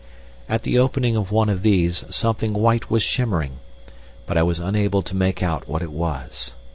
At the opening of one of these something white was shimmering, but I was unable to make out what it was.